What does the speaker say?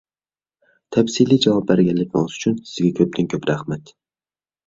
تەپسىلىي جاۋاب بەرگەنلىكىڭىز ئۈچۈن سىزگە كۆپتىن-كۆپ رەھمەت!